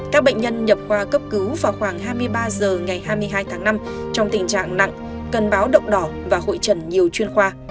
các bệnh nhân nhập khoa cấp cứu vào khoảng hai mươi ba h ngày hai mươi hai tháng năm trong tình trạng nặng cần báo động đỏ và hội trần nhiều chuyên khoa